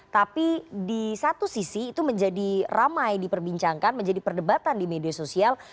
tapi di satu sisi itu menjadi ramai diperbincangkan menjadi perdebatan di media sosial